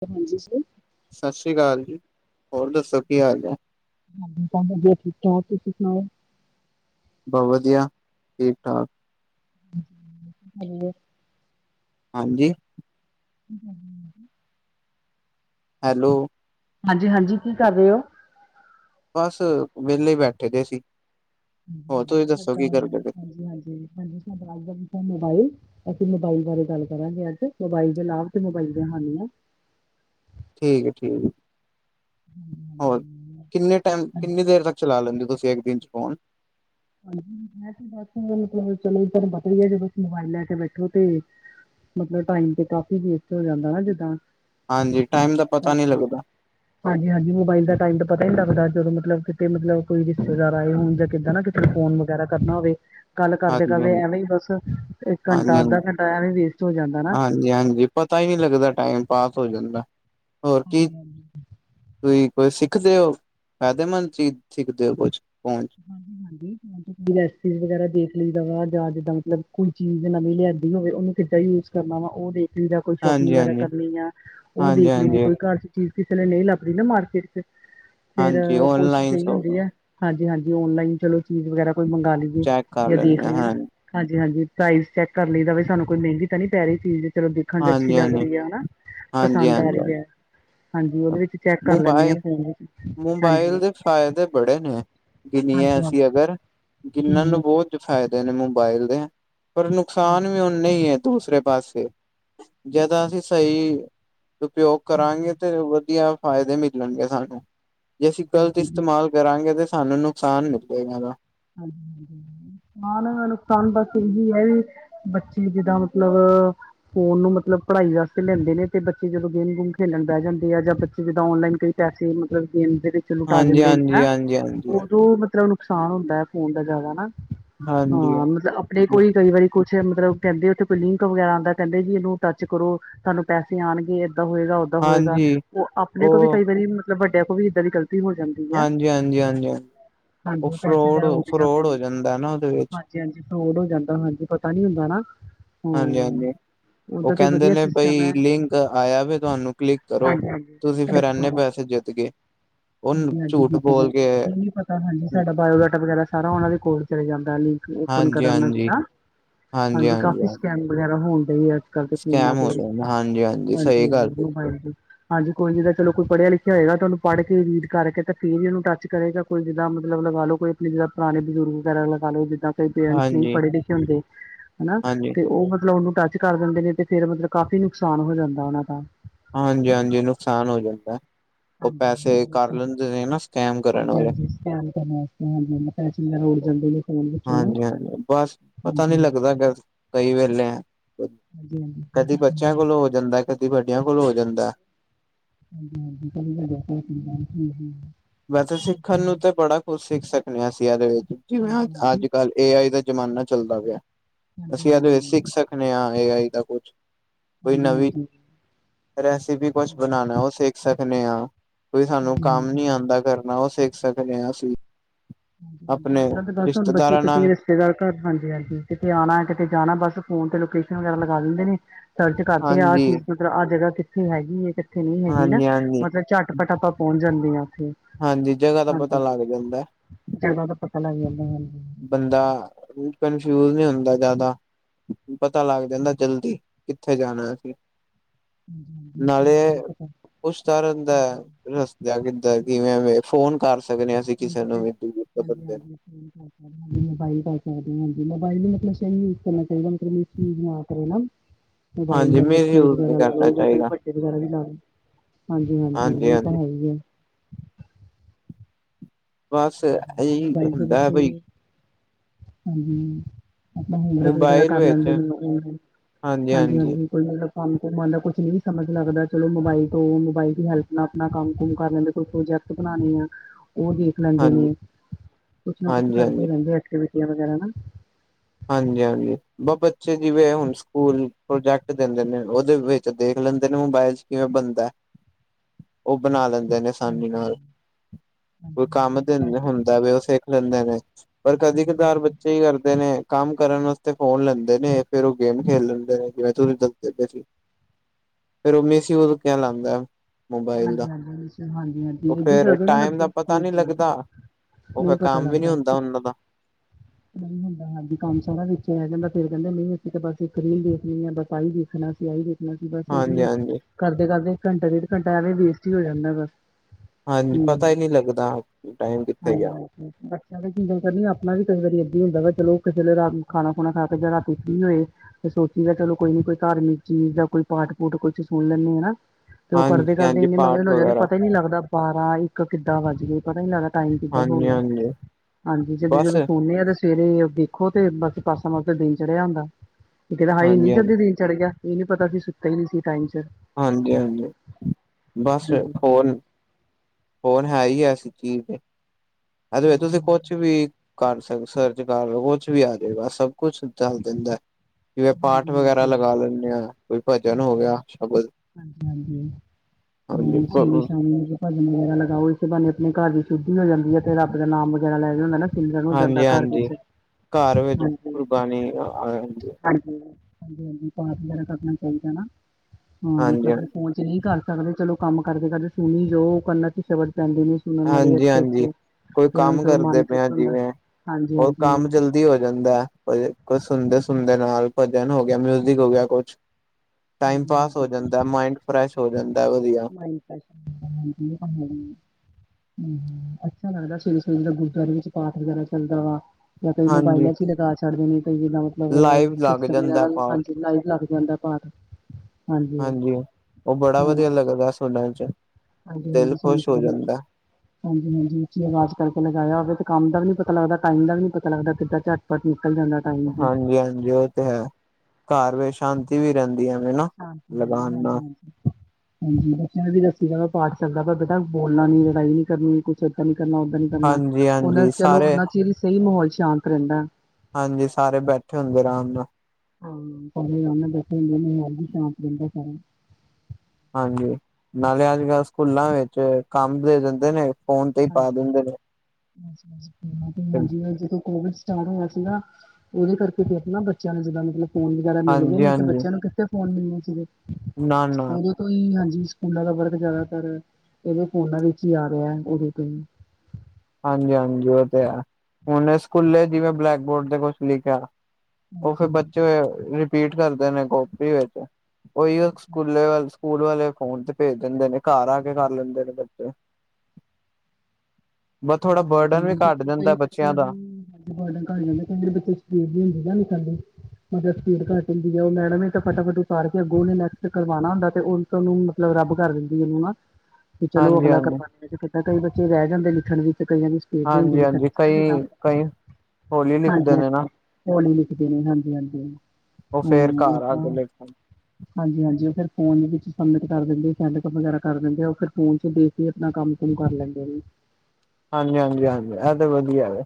ਤੇ ਹਾਂਜੀ ਸਰ ਸਸ੍ਰੀ ਅਕਾਲ ਜੀ, ਹੋਰ ਦੱਸੋ ਕੀ ਹਾਲ ਚਾਲ ਹਾਂਜੀ ਸਭ ਵਧੀਆ ਠੀਕ- ਠਾਕ, ਤੁਸੀਂ ਸੁਣਾਓ ਬਸ ਵਧੀਆ ਠੀਕ- ਠਾਕ ਹੈਲੋ ਹਾਂਜੀ [inaudible] ਹੈਲੋ। ਹਾਂਜੀ- ਹਾਂਜੀ ਕੀ ਕਰ ਰੇ ਓ। ਬਸ ਵਿਹਲੇ ਈ ਬੈਠੇ ਦੇ ਸੀ, ਹਾਂਜੀ ਹੋਰ ਤੁਈ ਹਾਂਜੀ ਦੱਸੋ ਸਾਡਾ ਕੀ ਕਰਦੇ ਪਏ। ਹਾਂਜੀ ਹਾਂਜੀ [unintelligible] ਮੋਬਾਈਲ। ਅਸੀਂ ਮੋਬਾਈਲ ਬਾਰੇ ਗੱਲ ਕਰਾਂਗੇ ਅੱਜ, ਮੋਬਾਇਲ ਦੇ ਲਾਭ ਤੇ ਮੋਬਾਈਲ ਦੀਆਂ ਹਾਨੀਆਂ। ਠੀਕ ਏ ਠੀਕ। ਹੋਰ, ਹਾਂਜੀ ਕਿੰਨੇ ਟੈਮ ਕਿੰਨੀ ਦੇਰ ਤੱਕ ਚਲਾ ਲੈਂਦੇ ਹੋ ਤੁਸੀਂ ਇਕ ਦਿਨ 'ਚ ਫ਼ੋਨ। ਹਾਂਜੀ ਮੈਂ ਬਸ ਮਤਲਬ ਚਲੋ ਤੁਹਾਨੂੰ ਪਤਾ ਹੀ ਮੋਬਾਇਲ ਲੈ ਕੇ ਬੈਠੋ ਤੇ ਮਤਲਬ ਟਾਇਮ ਤੇ ਕਾਫੀ ਵੇਸਟ ਹੋ ਜਾਂਦਾ ਨਾ ਜਿੱਦਾਂ। ਹਾਂਜੀ। ਟਾਈਮ ਦਾ ਪਤਾ ਨੀ ਲੱਗਦਾ। ਹਾਂਜੀ-ਹਾਂਜੀ, ਮੋਬਾਈਲ ਦਾ ਟਾਈਮ ਤੇ ਪਤਾ ਨੀ ਲੱਗਦਾ, ਜਦੋਂ ਮਤਲਬ ਕਿ ਤੇੱਨ ਬਲੋ ਕੋਈ ਰਿਸ਼ਤੇਦਾਰ ਆਏ ਹੋਨ ਜਾਂ ਕਿਦਾ ਨਾ ਫੋਨ ਵਗੈਰਾ ਕਰਨਾ ਹੋਵੇ ਗਾੱਲ ਹਾਂਜੀ ਕਰਦੇ-ਕਰਦੇ ਹਾਂਜੀ, ਐਵੇਂ ਈ ਬੱਸ ਏੱਕ ਘੰਟਾ, ਅੱਧਾ ਘੰਟਾ ਐਵੇਂ ਈ ਵੇਸਟ ਹੋ ਜਾਂਦਾ ਨਾ। ਜੀ ਹਾਂਜੀ, ਪਤਾ ਈ ਨੀ ਲੱਗਦਾ ਟਾਈਮ ਪਾਸ ਹੋ ਜਾਂਦੈ, ਹੋਰ ਕੀ। ਹਾਂਜੀ ਹਾਂਜੀ ਤੂਹੀ ਕੁੱਛ ਸਿੱਖਦੇ ਓ, ਫੈਦੇਮੰਦ ਚੀਜ ਸਿੱਖਦੇ ਓ ਕੂੱਛ ਫੋਨ ਚ? [inaudible] [unintelligible] ਰੈਸਪੀਜ਼ ਵਗੈਰਾ ਦੇਖ ਲਈ ਦਾ ਵਾ, ਜਾ ਜਿੱਦਾਂ ਮਤਲਬ ਕੋਈ ਚੀਜ ਨਵੀਂ ਲਿਆਂਦੀ ਹੋਵੇ, ਓਨੂੰ ਕਿਦਾਂ ਯੂਜ਼ ਕਰਨਾ ਵਾ, ਓ ਦੇਖ ਲਈਦਾ, ਕੋਈ ਸ਼ੋਪਿੰਗ ਹਾਂਜੀ ਵਗੈਰਾ ਹਾਂਜੀ, ਕਰਨੀ ਆ, ਓ ਹਾਂਜੀ ਦੇਖ ਲਈ ਦੀ, ਹਾਂਜੀ, ਕੋਈ ਘਾਰ ਚ ਚੀਜ ਕਿਸੇ ਅਲੇ ਨਈ ਲੱਬਦੀ ਨਾ ਮਾਰਕੀਟ ਚ, ਫੇਰ ਹਾਂਜੀ ਕੋਸ਼ਿਸ਼ ਔਨਲਾਈਨ ਏਈ ਹੁੰਦੀ ਐ ਹਾਂਜੀ-ਹਾਂਜੀ, ਓਨਲਾਈਨ ਚਲੋ ਚੀਜ ਵਗੈਰਾ ਕੋਈ ਮੰਗਾ ਲੀਏ, ਚੈੱਕ ਕਰ ਜਾਂ ਲੈਂਦੇ ਦੇਖ ਹਾਂ, ਲੀਏ ਨਾ। ਹਾਂਜੀ। ਹਾਂਜੀ-ਹਾਂਜੀ, ਪ੍ਰਾਈਜ਼ ਚੈੱਕ ਕਾਰ ਲਈ ਦਾ ਵੀ ਸਾਨੂੰ ਕੋਈ ਮੈਹੰਗੀ ਤਾ ਨੀ ਪੈ ਰਈ ਚੀਜ। ਚਲੋ ਦੇਖਨ ਚ ਅੱਛੀ ਲਾੱਗ ਹਾਂਜੀ-ਹਾਂਜੀ, ਰੀ ਆ ਹਨਾ, ਪਸੰਦ ਆਰੀ ਹਾਂਜੀ-ਹਾਂਜੀ। ਐ, ਹਾਂਜੀ ਓਦੇ ਵਿੱਚ ਚੈੱਕ ਕਾਰ ਲੈਂਨੇ ਆ ਫੋਨ ਵਿੱਚ, ਹਾਂਜੀ। ਫ਼ਾਏਦੇ ਬੜੇ ਨੇ, ਗਿਨੀਏ ਹਾਂਜੀ-ਹਾਂਜੀ ਅਸੀ ਅਗਰ, ਗਿਨਨ ਨੂੰ ਹੂੰ ਬੋਤ ਤ ਫ਼ਾਏਦੇ ਨੇ ਮੋਬਾਇਲ ਦੇ ਪਰ ਨੁਕਸਾਨ ਵੀ ਹਾਂਜੀ-ਹਾਂਜੀ ਉਨੇ ਈ ਏ ਦੂਸਰੇ ਪਾਸੇ। ਜੱਦ ਅਸੀ ਸਈ ਉਪਯੋਗ ਕਰਾਂਗੇ ਤੇ ਵਦੀਆ ਫਾਏਦੇ ਮਿਲਨਗੇ ਸਾਨੂੰ, ਜੇ ਅਸੀ ਗਲਤ ਇਸਤੇਮਾਲ ਕਰਾਂਗੇ, ਤੇ ਸਾਨੂੰ ਨੁਕਸਾਨ ਮਿਲੇਗਾ ਐਦਾ। ਹਾਂਜੀ। ਨਾਲ ਐਨਾ ਨੂੰ ਕਾੰਮ ਬੱਸ ਏਹੀ ਹੈਈ ਬੱਚੇ ਜਿੱਦਾਂ ਮਤਲਬ ਫੋਨ ਨੂੰ ਮਤਲਬ ਪਢਾਈ ਅਸਤੇ ਲੈਂਦੇ ਨੇ, ਤੇ ਬੱਚੇ ਜਦੋਂ ਗੇਮ-ਗੂਮ ਖੇਲਨ ਬੈ ਜਾਂਦੇ ਆ, ਜਾਂ ਬੱਚੇ ਜਿੱਦਾਂ ਔਨਲਾਈਨ ਕਈ ਪੈਸੇ ਮਤਲਬ ਗੇਮ ਦੇ ਵਿੱਚ ਲੁਟਾ ਦੇੰਦੇ ਨੇ, ਹਾਂਜੀ-ਹਾਂਜੀ, ਹੈਂ ਹਾਂਜੀ-ਹਾਂਜੀ, ਓਦੋਂ ਮਤਲਬ ਓਨੂ ਨੁਕਸਾਨ ਹੁੰਦੈ, ਫੋਨ ਦਾ ਜਾਦਾ ਨਾ, ਹਾਂਜੀ, ਹਾਂ ਮਤਲਬ ਅਪ ਦੇਖੋ ਕੋਈ ਕਈ ਵਾਰੀ ਕੁੱਛ ਮਤਲਬ ਕੇਂਦੇ ਉਥੇ ਕੋਈ ਲਿੰਕ ਵਗੈਰਾ ਆਂਦੈ, ਕੈਂਦੇ ਜੀ ਏਨੂੰ ਟੱਚ ਕਰੋ ਤਾਨੂੰ ਪੈਸੇ ਆਨਗੇ, ਏਦਾ ਹੋਏਗਾ, ਓਦਾਂ ਦਾ ਹੋਏਗਾ, ਹਾਂਜੀ। ਓ ਆਪਨੇ ਕੋਲ ਵੀ ਓ ਕਈ ਵਾਰੀ ਮਤਲਬ ਵੱਡੇਆਂ ਕੋਲ ਵੀ ਏਦਾਂ ਦੀ ਗ਼ਲਤੀ ਹੋ ਜਾਂਦੀ। ਹੈ ਹਾਂਜੀ, ਹਾਂਜੀ, ਹਾਂਜੀ, ਹਾਂਜੀ ਓ ਹਾਂਜੀ ਉਹ ਪੈਸੇ ਫਰੋਡ-ਫਰੋਡ ਹੋ ਜਾਂਦੈ ਨਾ ਓਦੇ ਵਿੱਚ। ਹਾਂਜੀ-ਹਾਜੀ ਫਰੋਡ ਹੋ ਜਾਂਦੈ, ਹਾਂਜੀ ਪਤਾ ਨੀ ਹੁੰਦਾ ਨਾ। ਹੂੰ ਹਾਂਜੀ-ਹਾਂਜੀ ਓ ਉਹਦਾ ਤੇ ਕੈਂਦੇ ਵਧੀਆ ਨੇ ਸਿਸਟਮ ਹੈ ਬਈ ਲਿੰਕ ਆਏਆ ਵੇ ਤੂਆਨੂੰ, ਕਲਿੱਕ ਕਰੋ ਹਾਂਜੀ ਹਾਂਜੀ ਤੂਸੀ ਫੇਰ ਕਲਿੱਕ ਏਨੇ ਕਰੋ ਪੈਸੇ ਜਿੱਤ ਗੇ, ਓਨੂ ਝੂਠ ਬੋਲ ਕੇ ਤਾਂ ਹਾਂਜੀ ਸਾਡਾ ਬਾਏਓਡਾਟਾ ਵਗੈਰਾ ਸਾਰਾ ਓਨਾਂ ਦੇ ਕੋਲ ਚਲੇ ਜਾਂਦੈ ਲਿਂਕ ਓਪਨ ਹਾਂਜੀ ਕਰਨ ਨਾਲ ਹਾਂਜੀ ਜਿੱਦਾਂ, ਹਾਂਜੀ ਕਾਫੀ ਸਕੈਮ ਵਗੈਰਾ ਹੋਨ ਡੇ ਆ। ਘਰ ਦੇ ਫੋਨਾਂ ਸਕੈਮ ਹੋ ਤੇ, ਜਾਂਦਾ ਹਾਂਜੀ ਹਾਂਜੀ ਸਹੀ ਐ ਗੱਲ ਬਿਲਕੁਲ ਮੋਬਾਈਲ ਤੇ। ਹਾਂਜੀ ਕੋਈ ਨੀ ਤਾ ਚਲੋ ਕੋਈ ਪੜੇਆ ਲਿਖੇਆ ਹੋਏਗਾ, ਤੇ ਓਨੂ ਪਾੱੜ ਕੇ ਰੀਡ ਕਾਰਕੇ ਤੇ ਫੇਰ ਈ ਓਨੂੰ ਟੱਚ ਕਰੇਗਾ, ਕੋਈ ਜਿੱਦਾਂ ਮਤਲਬ ਲਗਾ ਲੋ, ਕੋਈ ਅਪਨੀ ਜਿੱਦਾਂ ਪੁਰਾਨੇ ਬਜ਼ੁਰਗ ਵਗੈਰਾ ਲਗਾ ਲੋ, ਜਿੱਦਾਂ ਕਂਈ ਪੇਰੈਂਟਸ ਨਈ ਹਾਂਜੀ ਪੜੇ-ਲਿਖੇ ਹੁੰਦੈ, ਹਨਾ, ਹਾਂਜੀ ਤੇ ਓ ਮਤਲਬ ਓਨੂੰ ਟੱਚ ਕਰ ਦਿੰਦੇ ਨੇ ਤੇ ਫੇਰ ਮਤਲਬ ਕਾਫ਼ੀ ਨੁਕਸਾਨ ਹੋ ਜਾਂਦੈ ਉਨਾਂ ਦਾ। ਹਾਂਜੀ-ਹਾਂਜੀ ਨੁਕਸਾਨ ਹੋ ਜਾਂਦੈ। [unintelligible] ਕਰਨ ਵਾਲੇ ਤੇ ਰੋਡ ਜਾਂਦੀ ਏ। ਹਾਂਜੀ-ਹਾਂਜੀ ਬਾੱਸ ਪਤਾ ਨੀ ਹਾਂਜੀ-ਹਾਂਜੀ ਲੱਗਦਾ ਬਾੱਸ ਕਂਈ ਵੇਲੇ ਐਂ। ਕਦ ਕਦੀ ਹਾਂਜੀ-ਹਾਂਜੀ ਬੱਚੇਆਂ ਕੋਲੋਂ ਹਾਂਜੀ-ਹਾਂਜੀ ਹੋ ਜਾਂਦੈ, ਕਦੀ ਵੱਡੇਆਂ ਕੋਲੋਂ ਹੋ ਜਾਂਦੈ। [inaudible] ਵੈਸੇ ਸਿੱਖਨ ਨੂੰ ਤੇ ਬੜਾ ਕੁੱਛ ਸਿੱਖ ਸਕਨੇ ਆਂ ਅਸੀਂ ਐਦੇ ਵੇੱਚ, [unintelligible] ਆੱਜ-ਕੱਲ ਏ ਆਈ ਦਾ ਜਮਾਨਾ ਚੱਲਦਾ ਪੇਐ, ਅਸੀ ਐਦੇ ਵਿੱਚ ਹਾਂਜੀ-ਹਾਂਜੀ ਸਿੱਖ ਸਕਨੇ ਆਂ, ਏ ਆਈ ਦਾ ਕੁੱਛ। ਕੋਈ ਨਵੀਂ ਹਾਂਜੀ-ਹਾਂਜੀ ਰੈਸਪੀ ਕੁੱਛ ਹਾਂਜੀ, ਬਨਾਨੇ, ਓ ਸਿੱਖ ਸਕਨੇ ਆਂ। ਕੋਈ ਹਾਨੂੰ ਹਾਂਜੀ, ਕੰਮ ਹਾਂਜੀ, ਨੀ ਆਂਦਾ ਹਾਂਜੀ, ਕਰਨਾ, ਉਹ ਸਿੱਖ ਸਕਦੇ ਆ ਅਸੀਂ। ਹਾਂਜੀ-ਹਾਂਜੀ, ਆਪਣੇ ਅੱਜ-ਕੱਲ੍ਹ ਤਾਂ ਬਸ ਹੁਣ ਬੱਚੇ ਰਿਸ਼ਤੇਦਾਰਾਂ ਕਿਤੇ ਨਾਲ ਏਸ ਜੇ ਕਰ ਘਰ ਹਾਂਜੀ-ਹਾਂਜੀ, ਕਿਤੇ ਆਣਾ, ਕਿਤੇ ਜਾਣਾ, ਬਸ ਫ਼ੋਨ ਤੇ ਲੋਕੇਸ਼ਨ ਵਗੈਰਾ ਲਗਾ ਦਿੰਦੇ ਨੇ ਸਰਚ ਕਰਦੇ ਆ, ਆਹ ਹਾਂਜੀ ਚੀਜ਼ ਮਤਲਬ ਆਹ ਜਗ੍ਹਾ ਕਿੱਥੇ ਹੈਗੀ ਏ, ਕਿੱਥੇ ਨਹੀਂ ਹੈਗੀ ਨਾ। ਹਾਂਜੀ ਹਾਂਜੀ ਮਤਲਬ ਝੱਟ ਫੱਟ ਆਪਾਂ ਪਹੁੰਚ ਜਾਂਦੇ ਆ ਉੱਥੇ। ਹਾਂਜੀ, ਜਗ੍ਹਾ ਦਾ ਪਤਾ ਹਾਂਜੀ ਲੱਗ ਜਾਂਦਾ। ਜਗ੍ਹਾ ਦਾ ਪਤਾ ਲੱਗ ਜਾਂਦਾ, ਹਾਂਜੀ। ਬੰਦਾ, ਕਨਫਿਊਜ ਨੀ ਹੁੰਦਾ ਜ਼ਿਆਦਾ ਪਤਾ ਲੱਗ ਜਾਂਦਾ ਜਲਦੀ, ਕਿੱਥੇ ਜਾਣਾ ਅਸੀਂ। ਹਾਂਜੀ, ਹਾਂਜੀ ਇਹ ਤਾਂ ਨਾਲੇ ਹੈ ਹੀ ਆ ਪਤਾ ਕੁਛ ਤਾ ਰਹਿੰਦਾ ਰਸ ਜਾਂ ਕਿੱਦਾਂ ਕਿਵੇਂ ਫੋਨ ਕਰ ਸਕਦੇ ਆ, ਅਸੀਂ ਕਿਸੇ ਹਾਂਜੀ ਨੂੰ ਤੇ ਵੀ ਦੂਰ ਤੋਂ ਬੰਦੇ ਨੂੰ। [inaudible] ਹਾਂਜੀ, ਮੋਬਾਈਲ ਕਰਕੇ ਹਾਂਜੀ ਮੋਬਾਈਲ ਵੀ ਮਤਲਬ ਸ‌ਈ ਯੂਜ਼ ਕਰਨਾ ਚਾਹੀਦਾ, ਮਤਲਬ ਇਹ ਚੀਜ਼ ਨਾ ਕਰੋ ਨਾ। [inaudible] ਮੋਬਾਇਲ ਦਾ ਬੱਚੇ ਮਿਸਯੂਜ ਨਹੀਂ ਵਗੈਰਾ ਲਾ ਕਰਨਾ ਲ ਜਾਂ ਕਈ ਚਾਹੀਦਾ ਵੱਡੇ ਵਗੈਰਾ ਵੀ ਲਾ ਲਓ। ਹਾਂਜੀ-ਹਾਂਜੀ ਹਾਂਜੀ ਇਹ ਤਾਂ ਹਾਂਜੀ ਹੈ ਈ ਏ। ਬਸ ਐਹੀ ਮੋਬਾਇਲ ਦੇ ਹੁੰਦਾ ਐ ਬੱਚੇ ਬਈ ਹਾਂਜੀ, ਮਤਲਬ ਹੋਮ ਵਰਕ ਵਗੈਰਾ ਮੋਬਾਇਲ ਕਰ ਵਿੱਚ ਲੈਂਦੇ ਨੇ। ਹਾਂਜੀ ਹਾਂਜੀ ਹਾਂਜੀ-ਹਾਂਜੀ। ਕੋਈ ਮਤਲਬ ਕੰਮ-ਕੁਮ ਆਂਦਾ, ਕੁੱਛ ਨੀ ਸਮਝ ਲੱਗਦਾ, ਚਲੋ ਮੋਬਾਈਲ ਤੋਂ ਮੋਬਾਈਲ ਦੀ ਹੈਲਪ ਨਾਲ ਆਪਣਾ ਕੰਮ-ਕੁਮ ਕਰ ਲੈਂਦੇ ਕੋਈ ਪ੍ਰੋਜੈਕਟ ਬਣਾਂਣੇ ਆ, ਉਹ ਦੇਖ ਹਾਂਜੀ ਲੈਂਦੇ ਹਾਂਜੀ ਨੇ, ਕੁਛ ਨਾ ਕੁਛ ਹਾਂਜੀ ਕਰਦੇ ਰਹਿੰਦੇ, ਐਕਟੀਵਿਟੀਆ ਵਗੈਰਾ ਨਾ। ਹਾਂਜੀ-ਹਾਂਜੀ, ਬ ਬੱਚੇ ਜਿਵੇਂ ਹੁਣ ਸਕੂਲ ਪ੍ਰੋਜੈਕਟ ਦਿੰਦੇ ਨੇ, ਉਹਦੇ ਵਿੱਚ ਦੇਖ ਲੈਂਦੇ ਨੇ ਮੋਬਾਇਲ 'ਚ ਕਿਵੇਂ ਬਣਦਾ। ਉਹ ਬਣਾ ਲੈਂਦੇ ਨੇ ਅਸਾਨੀ ਹਾਂਜੀ ਨਾਲ, ਕੋਈ ਹਾਂਜੀ ਕੰਮ ਹਾਂਜੀ ਦੇ ਕਾਫੀ ਕੁਛ ਹੁੰਦਾ ਵੇ, ਉਹ ਸਿੱਖ ਲੈਂਦੇ ਨੇ। ਪਰ ਹਾਂਜੀ ਕਦੀ-ਕਦਾਰ ਹਾਂਜੀ ਬੱਚੇ ਕੀ ਕਰਦੇ ਨੇ ਕੰਮ ਕਰਨ ਵਾਸਤੇ ਫੋਨ ਲੈਂਦੇ ਨੇ, ਫੇਰ ਉਹ ਗੇਮ ਖੇਲ ਲੈਂਦੇ ਨੇ। ਜਿਵੇਂ ਤੁਸੀਂ ਦੱਸਦੇ ਪ‌ਏ ਸੀ। ਫੇਰ ਉਹ ਮੇਸ਼ੀ ਮੱਣ ਕਿਆ ਲਾਂਦਾ। ਮੋਬਾਈਲ ਹਾਂਜੀ ਹਾਂਜੀ ਦਾ, ਹਾਂਜੀ ਹਾਂਜੀ ਹਾਂਜੀ ਉਹ ਏਦਾਂ ਹੀ ਫੇਰ ਕਰਦੇ ਨੇ ਟਾਈਮ ਦਾ ਬੱਚੇ ਪਤਾ ਨੀ ਠੀਕ ਹੈ ਲੱਗਦਾ ਉਹ ਨਹੀਂ ਫਿਰ ਪਤਾ ਕੰਮ ਵੀ ਨੀ ਹੁੰਦਾ ਲੱਗਦਾ ਉਹਨਾਂ ਦਾ ਨਹੀਂ ਹੁੰਦਾ ਹਾਂਜੀ, ਕੰਮ ਸਾਰਾ ਵਿੱਚ ਰਹਿ ਜਾਂਦਾ, ਫਿਰ ਕਹਿੰਦੇ ਨਹੀਂ ਅਸੀਂ ਤਾਂ ਬਸ ਇੱਕ ਰੀਲ ਦੇਖਣੀ ਆ। ਬਸ ਆਈ ਦੇਖਣਾ ਸੀ ਆਹੀ ਦੇਖ ਨਾ ਸੀ। ਬਸ ਉਹਦੇ ਹਾਂਜੀ ਲਈ ਹਾਂਜੀ। ਕਰਦੇ-ਕਰਦੇ ਘੰਟਾ ਡੇਢ ਘੰਟਾ ਵੇਸਟ ਈ ਹੋ ਜਾਂਦਾ ਵਾ। ਹਾਂਜੀ, ਪਤਾ ਈ ਨੀ ਲੱਗਦਾ, ਟਾਈਮ ਕਿੱਥੇ ਹਾਂਜੀ ਗਿਆ। ਬੱਚਿਆਂ ਦੀ ਕੀ ਗੱਲ ਕਰਨੀ, ਆਪਣਾ ਵੀ ਕ‌ਈ ਵਾਰੀ ਅੱਗੇ ਹੁੰਦਾ ਵਾ, ਚਲੋਂ ਕਿਸੇ ਵੇਲੇ ਰਾਤ ਨੂੰ ਖਾਣਾ-ਖੂਣਾ ਖਾ ਕੇ ਜਾਂ ਰਾਤੀ ਫ੍ਰੀ ਹੋਏ ਤੇ ਸੋਚੀਦਾ ਚਲੋ ਕੋਈ ਨੀ, ਕੋਈ ਧਾਰਮਿਕ ਚੀਜ਼ ਜਾਂ ਕੋਈ ਪਾਠ-ਪੂਠ ਕੁੱਛ ਸੁਣ ਲੈਂਨੇ ਨਾ ਤੇ ਉਹ ਹਾਂਜੀ ਕਰਦੇ-ਕਰਦੇ ਹਾਂਜੀ ਇੰਨੇ ਪਾਠ ਮਗਨ ਹੋ ਜਾਂਨੇ, ਵਗੈਰਾ। ਪਤਾ ਈ ਨੀ ਲੱਗਦਾ ਬਾਰਾਂ, ਇੱਕ ਕਿੱਦਾਂ ਵੱਜਗੇ ਪਤਾ ਨੀ ਲੱਗਦਾ ਟਾਈਮ ਕਿੱਦਾਂ ਹੋ ਹਾਂਜੀ ਗਿਆ। ਹਾਂਜੀ ਹਾਂਜੀ, ਬਸ ਜਦੋਂ-ਜਦੋਂ ਸੋਨੇ ਆ ਤੇ ਸਵੇਰੇ ਦੇਖੋ ਤੇ ਬਸ ਪਾਸਾ ਮਾਸਾ ਦਿਨ ਚੜਿਆ ਹੁੰਦਾ। ਤੇ ਫਿਰ ਹਾਏ ਇੰਨੀ ਹਾਂਜੀ ਚੱਲਦੀ ਹਾਂਜੀ ਦਿਨ ਚੜ੍ਹ ਗਿਆ। ਇਹ ਨੀ ਪਤਾ ਅਸੀ ਸੁੱਤੇ ਈ ਨੀ ਸੀ ਟਾਈਮ ਸਿਰ। ਹਾਂਜੀ-ਹਾਂਜੀ, ਬਸ ਹਾਂਜੀ, ਹੋਰ? ਫ਼ੋਨ ਹੈ ਈ ਐਸੀ ਚੀਜ਼ ਏ। ਏਹਦੇ 'ਚ ਤੁਸੀ ਕੁਛ ਵੀ ਕਰ ਸਕ, ਸਰਚ ਕਰ ਕੁਛ ਵੀ ਆਜੇਗਾ। ਸਭ ਕੁਛ ਚੱਲ ਦਿੰਦਾ। ਜਿਵੇਂ ਪਾਠ ਵਗੈਰਾ ਹਾਂਜੀ-ਹਾਂਜੀ ਲਗਾ ਲੈਂਨੇ ਆ, ਕੋਈ ਭਜਨ ਪਾਠ ਹੋ ਗਿਆ ਵਗੈਰਾ, ਸ਼ਬਦ ਹਾਂਜੀ-ਹਾਂਜੀ। ਹਾਂਜੀ ਹਾਂ, ਅਸੀਂ ਅਜੇ ਸਮਝ ਦਾ ਭਜਨ ਵਗੈਰਾ ਲਗਾਓ। ਏਸੇ ਬਾਨ੍ਹੇ ਆਪਣੇ ਘਰ ਦੀ ਸ਼ੁੱਧੀ ਹੋ ਜਾਂਦੀ ਐ ਤੇ ਰੱਬ ਦਾ ਨਾਮ ਵਗੈਰਾ ਲੈ ਜਾਂ ਹਦਾ ਨਾ। ਸਿਮਰਨ ਹੋ ਹਾਂਜੀ ਜਾਂਦਾ ਘਰ ਹਾਂਜੀ ਵਿੱਚ ਘਰ ਵਿੱਚ ਗੁਰਬਣੀ ਆ ਜਾਂਦੀ। ਹਾਂਜੀ -ਹਾਂਜੀ ਹਾਂਜੀ ਪਾਠ ਵਗੈਰਾ ਤਾਂ ਆਪਣਾ ਕਰੀ ਦਾ ਨਾ। ਹਾਂ ਹਾਂਜੀ ਮਤਲਬ ਮੈਂ ਫੋਨ 'ਚ ਨ‌ਈ ਕਰ- ਕਰਦੇ ਚਲੋ, ਕੰਮ ਕਰਦੇ ਕਰਦੇ ਸੂਣੀ ਵੀ ਜਾਓ। ਕੰਨਾ 'ਚ ਸ਼ਬਟ ਪੈਂਦੇ ਨੇ। ਸੁਣਨ ਵਾਲੇ ਹਾਂਜੀ ਅੱਛੇ ਹਾਂਜੀ ਅੱਛੇ ਕੋਈ ਤੇ ਉਹਨਾਂ ਨੂੰ ਕੰਮ ਚਲੋ ਮਨ ਕਰਦੇ ਪਏ ਆਂ ਤ੍ਰਿਪਤ ਹੁੰਦਾ ਜਿਵੇਂ, ਹਾਂਜੀ ਔਰ ਹਾਂਜੀ ਕੰਮ ਜਲਦੀ- ਤੀ ਹੋ ਜਾਂਦਾ। ਕੁ ਕੁਛ ਸੁਣਦੇ ਸੁਣਦੇ ਨਾਲ ਭਜਨ ਹੋ ਗਿਆ, ਮਿਊਜਿਕ ਹੋ ਗਿਆ ਕੁਛ। ਟਾਈਮ ਹਾਂਜੀ ਪਾਸ ਹੋ ਹਾਂਜੀ ਜਾਂਦਾ, ਮਾਇੰਡ ਫਰੈਸ਼ ਹੋ ਜਾਂਦਾ ਵਧੀਆ। [inaudible] ਹੂੰ ਹੂੰ ਅੱਛਾ ਲੱਗਦਾ ਸਵੇਰੇ ਸਵੇਰੇ ਦਾ ਗੁਰਦਵਾਰੇ ਵਿੱਚ ਪਾਠ ਵਗੈਰਾ ਚੱਲਦਾ ਵਾ। ਜਾਂ ਕਈ ਹਾਂਜੀ ਮੋਬਾਇਲਾਂ 'ਚ ਈ ਲਗਾ ਛੱਡਦੇ ਨੇ। ਕਈ ਜਨਾ ਮਤਲਬ ਲਾਈਵ ਲੱਗ ਸਿਸਟਮ ਜਾਂਦਾ ਵਗੈਰਾ, ਪਾਠ ਹਾਂਜੀ ਲਾਈਵ ਲੱਗ ਜਾਂਦਾ। ਪਾਠ‌। ਹਾਂਜੀ ਓ ਬੜਾ ਵਧੀਆ ਲੱਗਦਾ ਸੁਣਨ 'ਚ। ਦਿਲ ਖੁਸ਼ ਹੋ ਜਾਂਦਾ। ਹਾਂਜੀ ਹਾਂਜੀ ਉਚੀ ਆਵਾਜ਼ ਕਰਕੇ ਲਗਾਇਆ ਹੋਵੇ ਤੇ ਕੰਮ ਦਾ ਵੀ ਪਤਾ ਲੱਗਦਾ, ਟਾਈਮ ਦਾ ਵੀ ਨੀ ਪਤਾ ਲੱਗਦਾ। ਕਿੱਦਾਂ ਝਟ- ਪਟ ਨਿਕਲ ਜਾਂਦਾ। ਟਾਈਮ ਵੀ। ਹਾਂਜੀ ਹਾਂਜੀ ਓ ਤੇ ਹੈ, ਘਰ ਵਿੱਚ ਸ਼ਾਂਤੀ ਵੀ ਰੈਂਦੀ ਐ। ਹੇਨਾ ਹਾਂਜੀ, ਹਾਂਜੀ, ਲੱਗਾਣ ਹਾਂਜੀ, ਨਾਲ। ਹਾਂਜੀ। ਹਾਂਜੀ ਬੱਚਿਆਂ ਨੂੰ ਵੀ ਦੱਸੀਦਾ ਵਾ ਪਾਠ ਚੱਲਦਾ ਪਿਆ ਬੇਟਾ ਬੋਲਣਾ ਨੀ, ਲੜਾਈ ਨੀ ਕਰਨੀ, ਕੁਛ ਏਦਾਂ ਨੀ ਕਰਨਾ, ਓਦਾਂ ਨੀ।। ਕਰਨਾ। ਹਾਂਜੀ ਓਨਾਂ ਹਾਂਜੀ ਚਲੋ ਸਾਰੇ ਓਨਾਂ ਚਿਰ ਸ‌ਈ ਮਾਹੌਲ ਸ਼ਾਂਤ ਰੈਂਦਾ। ਹਾਂਜੀ ਸਾਰੇ ਬੈਠੇ ਹੁੰਦੇ ਰਾਮ ਨਾਲ। [inaudible] ਹਾਂਜੀ ਨਾਲੇ ਅੱਜ ਕੱਲ੍ਹ ਸਕੂਲਾਂ ਵਿੱਚ ਕੰਮ ਦੇ ਦਿੰਦੇ ਨੇ। ਫੋਨ ਤੇ ਹੀ ਪਾ ਹਾਂਜੀ ਦਿੰਦੇ ਨੇ ਹਾਂਜੀ [unintelligible] ਕੋਵਿਡ। ਸਟਾਰ ਹੋਇਆ ਸੀਗਾ, ਓਦੇ ਕਰਕੇ ਫੇਰ ਨਾ ਬੱਚਿਆਂ ਨੂੰ ਜਿੱਦਾਂ ਮਤਲਬ ਫੋਨ ਵਗੈਰਾ ਮਿਲਗੇ। ਹਾਂਜੀ ਨ‌ਈ ਤੇ ਹਾਂਜੀ ਬੱਚਿਆਂ ਨੂੰ ਕਿਥ- ਕਿਥੇ ਫੋਨ ਮਿਲਣੇ ਸੀਗੇ। ਨਾ ਨਾ। ਉਦੋਂ ਤੋਂ ਈ ਹਾਂਜੀ ਸਕੂਲਾਂ ਦਾ ਵਰਕ ਜਾਦਾਤਰ, ਏਦੇ ਫੋਨਾਂ ਵਿੱਚ ਈ ਆ ਰਿਆ ਉਦੋਂ ਤੋਂ ਈ। ਹਾਂਜੀ ਹਾਂਜੀ ਓ ਤੇ ਐ, ਹੁਣ ਏ ਸਕੂਲੇ ਜਿਵੇਂ ਬਲੈਕ ਬੋਰਡ ਤੇ ਕੁਛ ਲਿਖਿਆ- ਓ ਫੇਰ ਹਾਂਜੀ ਬੱਚੇ ਰਪੀਟ ਕਰਦੇ ਨੇ ਕਾਪੀ ਵਿੱਚ। ਓਈਓ ਸਕੂਲੇ ਸਕੂਲ ਵਾਲੇ ਫੋਨ ਤੇ ਭੇਜ ਦਿੰਦੇ ਨੇ, ਘਰ ਆ ਕੇ ਕਰ ਲੈਂਦੇ ਨੇ ਬੱਚੇ। ਬ ਥੋੜਾ ਹਾਂਜੀ ਬਰਡਨ ਵੀ ਹਾਂਜੀ ਘੱਟ ਕਿਉਂਕਿ ਜਾਂਦਾ ਕਈ ਬੱਚਿਆਂ ਦਾ। ਦੀ ਹਾਂਜੀ ਬਰਡਨ ਘੱਟ ਜਾਂਦੇ ਕ‌ਈ ਵਾਰੀ ਬੱਚੇ ਸਕੂਲ ਵੀ ਹਿੰਦੀ ਨਾ ਲਿਖ ਆਂਦੇ। ਮਤਲਬ ਸਪੀਡ ਘੱਟ ਹੁੰਦੀ ਆ। ਓ ਮੈਡਮ ਨੇ ਤਾਂ ਵ ਫਟਾ ਫਟ ਉਤਾਰ ਕੇ ਅੱਗੋਂ ਓਨੇ ਨੈਕਸਟ ਕਰਵਾਣਾ ਹੁੰਦਾ। ਤੇ ਓ- ਤੋਂ ਓਨੂੰ ਮਤਲਬ ਰੱਬ ਕਰ ਦਿੰਦੀ ਓਨੂੰ ਨਾ। ਵੀ ਚਲੋ ਹਾਂਜੀ ਅਗਲਾ ਹਾਂਜੀ ਕਰਵਾਨੇ, ਕਿਦਾਂ ਕਈ ਬੱਚੇ ਰੈ ਜਾਂਦੇ ਲਿਖਣ ਵਿੱਚ। ਕਈਆਂ ਦੀ- [unintelligible] ਹਾਂਜੀ ਜਿਦਾਂ ਹਾਂਜੀ ਕਈ ਕਈ ਹੋਲੀ ਲਿਖਦੇ ਹਾਂਜੀ ਨੇ ਨਾ ਹਾਂਜੀ। ਹੋਲੀ ਲਿਖਦੇ ਨੇ, ਹਾਂਜੀ ਹਾਂਜੀ ਉਹ ਫੇਰ ਹੂੰ ਓ ਘਰ ਆ ਤਾਂ। ਕੇ ਲਿਖ ਹਾਂਜੀ ਹਾਂਜੀ ਹਾਂਜੀ ਓ ਫੇਰ ਫੋਨ ਵਿੱਚ ਸਬਮਿਟ ਕਰ ਦਿੰਦੇ। ਸੈਂਡ ਕ ਵਗੈਰਾ ਕਰ ਦਿੰਦੇ ਓ ਫੇਰ ਫੋਨ ਚੋ ਦੇਖ- ਕੀ ਆਪਣਾ ਕੰਮ ਕੁੰਮ ਕਰ ਲੈਂਦੇ ਨੇ। ਹਾਂਜੀ ਹਾਂਜੀ ਹਾਂਜੀ ਐ ਤੇ ਵਧੀਆ ਹੈਗਾ।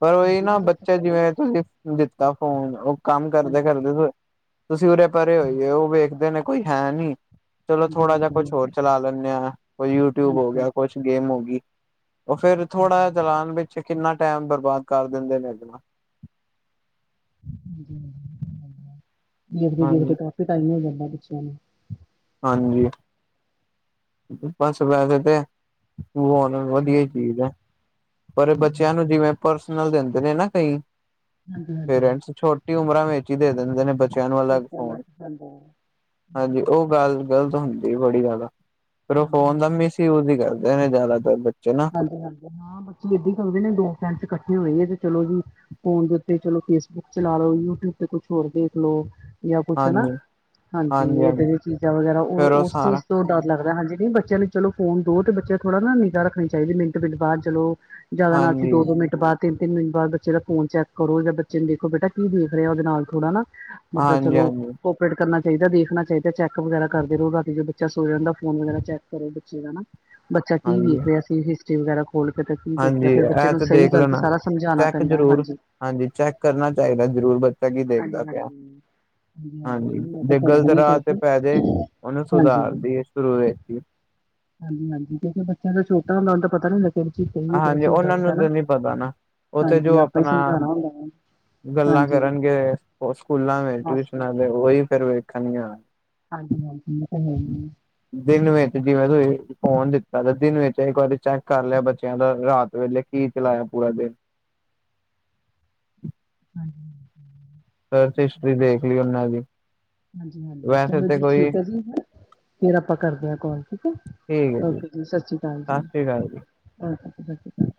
ਪਰ ਓਈ ਨਾ ਹਾਂਜੀ। ਬੱਚਾ ਜਿਵੇਂ ਤੁਸੀਂ- ਦਿੱਤਾ ਫੋਨ, ਓ ਕੰਮ ਹਾਂਜੀ-ਹਾਂਜੀ। ਕਰਦੇ-ਕਰਦੇ ਤੁਸੀਂ ਉਰੇ ਪਰੇ ਹੋਗੇ ਓ। ਓ ਵੇਖਦੇ ਨੇ- ਕੋਈ ਹੈ ਨੀ ਚਲੋ ਥੋੜ੍ਹਾ ਜਿਆ ਕੁਛ ਹੋਰ ਚਲਾ ਲੈਂਣੇ ਆਂ। ਕੋਈ ਯੂਟਿਊਬ ਹੋ ਗਿਆ ਕੁਛ- ਗੇਮ ਹੋ ਗੀ। ਓ ਫੇਰ ਥੋੜਾ ਜਾ ਹਾਂਜੀ-ਹਾਂਜੀ। ਚਲਾਣ ਵਿੱਚ ਕਿੰਨਾ ਟੈਮ ਬਰਬਾਦ ਕਰ ਦਿੰਦੇ ਨੇ ਏਦੇ ਨਾ। ਦੇਖਦੇ-ਦੇਖਦੇ ਹਾਂਜੀ। ਕਾਫੀ ਟਾਈਮ ਹੋ ਜਾਂਦਾ ਬੱਚਿਆਂ ਨੂੰ। ਹਾਂਜੀ- ਬਸ ਵੈਸੇ ਤੇ ਬੂ- ਵਧੀਆ ਈ ਹਾਂਜੀ। ਚੀਜ਼ ਐ। ਪਰ ਬੱਚਿਆਂ ਨੂੰ ਜਿਵੇਂ ਪਰਸਨਲ ਦਿੰਦੇ ਨੇ ਨਾ ਕਈ, ਹਾਂਜੀ-ਹਾਂਜੀ। ਪੇਰੈਂਟਸ ਛੋਟੇ ਟੀ ਉਮਰਾਂ ਵਿੱਚ ਦੇ ਦਿੰਦੇ ਨੇ ਬ ਛੋਟਾ ਬਸ ਖਾਂਦਾ, ਹੂ ਗਲਤ ਹੁੰਦੀ ਬੜੀ ਜ਼ਿਆਦਾ, ਫੇਰ ਉਹ ਫੋਨ ਦਾ ਹਾਂਜੀ-ਹਾਂਜੀ। ਮਿਸ ਯੂਜ ਹੀ ਕਰਦੇ ਨੇ ਜ਼ਿਆਦਾਤਰ ਬੱਚੇ ਨਾ। ਹਾਂ! ਬੱਚੇ ਏਦਾਂ ਕਰਦੇ ਨੇ ਦੋ ਫੈਂਡਸ ਇਕੱਠੇ ਹੋਏ ਆ ਤੇ ਚਲੋ ਵੀ ਫੋਨ ਦੇ ਉੱਤੇ ਚਲੋ, ਫੇਸਬੁੱਕ ਚਲਾ ਲੋ, ਯੂਟਿਊਬ ਤੇ ਕੁਛ ਹੋਰ ਦੇਖ ਲੋ। ਜਾਂ ਕੁਛ ਹਨਾ, ਹਾਂਜੀ। ਹਾਂਜੀ ਹਾਂਜੀ-ਹਾਂਜੀ, ਏਦਾਂ ਦੀਆਂ ਚੀਜ਼ਾਂ ਵਗੈਰਾ ਫੇਰ ਉਹ ਉਸ ਸਾਰਾ ਚੀਜ਼- ਤੋਂ ਡਰ ਲੱਗਦਾ ਹਾਂਜੀ ਨਹੀਂ ਬੱਚਿਆਂ ਨੂੰ ਚਲੋ ਫੋਨ ਦੋ ਤੇ ਬੱਚਾ ਥੋੜਾ ਨਾ ਨਿਗਾਹ ਰੱਖਣੀ ਚਾਹੀਦੀ ਮਿੰਟ-ਮਿੰਟ ਬਾਅਦ ਚਲੋ, ਜਿਆਦਾ ਨਾ ਸਹੀ ਹਾਂਜੀ, ਦੋ- ਦੋ ਮਿੰਟ ਬਾਅਦ ਤਿੰਨ ਤਿੰਨ ਮਿੰਟ ਬਾਅਦ ਬੱਚੇ ਦਾ ਫੋਨ ਚੈੱਕ ਕਰੋ ਜਾਂ ਬੱਚੇ ਨੂੰ ਦੇਖੋ ਬੇਟਾ ਕੀ ਦੇਖ ਰਿਹਾ ਉਹਦੇ ਨਾਲ ਥੋੜ੍ਹਾ ਨਾ ਮੈ ਕਿਆ ਚਲੋ। ਹਾਂਜੀ-ਹਾਂਜੀ, ਓਪਰੇਟ ਕਰਨਾ ਚਾਹੀਦਾ, ਦੇਖਣਾ ਚਾਹੀਦਾ, ਚੈੱਕ ਵਗੈਰਾ ਕਰਦੇ ਰਹੋ, ਬਾਕੀ ਜਦੋਂ ਬੱਚਾ ਸੌ ਜਾਂਦਾ ਫੋਨ ਵਗੈਰਾ ਚੈੱਕ ਕਰੋ ਬੱਚੇ ਦਾ ਹਨਾ। ਬੱਚਾ ਕੀ ਹਾਂਜੀ। ਵੇਖ ਹਾਂਜੀ, ਰਿਹਾ ਸੀ ਹਿਸਟਰੀ ਵਗੈਰਾ। ਖੋਲ ਕੇ ਤਾਂ ਕੀ ਹਾਂਜੀ! ਦੇਖਿਆ ਫਿਰ ਬੱਚੇ ਇਹ ਨੂੰ ਤੇ ਸਹੀ ਦੇਖ ਗਲਤ ਲੈਣਾ, ਸਾਰਾ ਸਮਝਾਣਾ ਚੈੱਕ ਪੈਂਦਾ ਹੈ ਜ਼ਰੂਰ ਹਾਂਜੀ। ਹਾਂਜੀ ਚੈੱਕ ਕਰਨਾ ਚਾਹੀਦਾ ਜ਼ਰੂਰ ਬ ਚਾ ਕੀ ਦੇਖਦਾ ਹਾਂਜੀ ਪਿਆ। ਹਾਂਜੀ। ਹਾਂਜੀ! ਨਹੀਂ ਮੈਂ ਤਾਂ ਜੇ ਗਲਤ ਕਰਦੀ ਹਾਂ ਰਾਹ ਚੈੱਕ ਤੇ ਪੈ ਜੇ, ਉਹਨੂੰ ਹਾਂਜੀ। ਸੁਧਾਰ ਦੀ ਏ ਸ਼ੁਰੂ ਵਿੱਚ ਹੀ। ਹਾਂਜੀ, ਹਾਂਜੀ ਕਿਉਂਕਿ ਬੱਚਾ ਤੇ ਛੋਟਾ ਹੁੰਦਾ ਉਹਨੂੰ ਤਾਂ ਪਤਾ ਨੀ ਲ ਕਿਹੜੀ ਚੀਜ਼ ਸਹੀ ਏ, ਕਿਹੜੀ ਹਾਂਜੀ ਚੀਜ਼ ਉਹਨਾਂ ਗ਼ਲਤ ਆ ਨੂੰ ਨਾ, ਤਾਂ ਨੀ ਪਤਾ ਨਾ ਉਹ ਤੇ ਹਾਂਜੀ ਜੋ ਆਪਾਂ ਹੀ ਆਪਣਾ ਸਮਝਾਉਣਾ ਹੁੰਦਾ ਓਹਨਾ ਨੂੰ ਗੱਲਾਂ ਕਰਨਗੇ, ਸਕੂਲਾਂ ਦੇ, ਬਸ ਬਸ। ਟਿਊਸ਼ਨਾਂ ਦੇ, ਉਹੀ ਫੇਰ ਵੇਖਣੀਆਂ। ਹਾਂਜੀ, ਹਾਂਜੀ ਇਹ ਤਾਂ ਹੈ ਹੀ ਐ। ਦਿਨ ਵਿੱਚ ਜਿਵੇਂ ਤੁਸੀਂ ਫੋਨ ਦਿੱਤਾ ਤੇ ਦਿਨ ਵਿੱਚ ਇੱਕ ਵਾਰੀ ਚੈੱਕ ਕਰ ਲਿਆ ਬ ਚਿਆਂ ਦਾ ਰਾਤ ਵੇਲੇ ਕੀ ਚਲਾਇਆ ਪੂਰਾ ਦਿਨ। ਹਾਂਜੀ! ਸਰਚ ਹਿਸਟਰੀ ਦੇਖ ਲਈ ਉਹਨਾਂ ਦੀ। ਹਾਂਜੀ, ਹਾਂਜੀ! ਵੈਸੇ ਚਲੋ ਤੇ ਜੀ ਕੋਈ ਠੀਕ ਐ ਜੀ, ਹੈਂ ਫੇਰ ਆਪਾਂ ਕਰਦੇ ਹਾਂ ਕੋਲ ਠੀਕ ਐ। ਠੀਕ ਹੈ ਓਕੇ ਜੀ ਸਸਰੀ ਅਕਾਲ ਜੀ। ਸਤਿ ਸ੍ਰੀ ਅਕਾਲ ਓਕੇ ਜੀ ਸਸ੍ਰੀ ਕਾਲ।